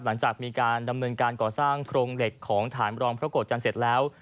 หลังจากมีการดำเนินการก่อสร้างโครงเหล็กของฐานรองพระโกรธจันทร์เสร็จแล้ว